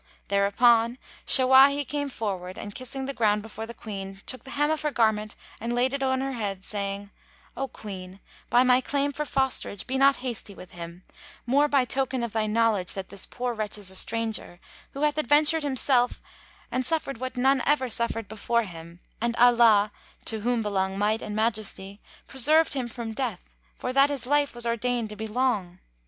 Thereupon Shawahi came forward and kissing the ground before the Queen, took the hem of her garment and laid it on her head, saying, "O Queen, by my claim for fosterage, be not hasty with him, more by token of thy knowledge that this poor wretch is a stranger, who hath adventured himself and suffered what none ever suffered before him, and Allah (to whom belong Might and Majesty,) preserved him from death, for that his life was ordained to be long.